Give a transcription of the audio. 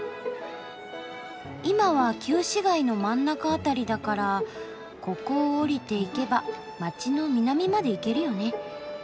今は旧市街の真ん中辺りだからここを下りていけば街の南まで行けるよね。